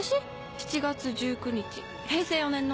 ７月１９日平成４年の。